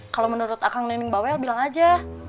kalau menurut kang nining bawel bilang aja